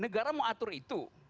negara mau atur itu